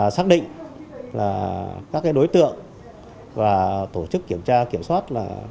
xác định các đối tượng và tổ chức kiểm tra kiểm soát